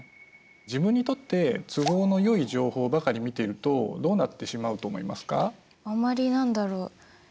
自分にとって都合のよい情報ばかりを見ているとどうなってしまうと思いますか？